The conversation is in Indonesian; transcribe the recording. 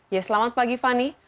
ya selamat pagi fani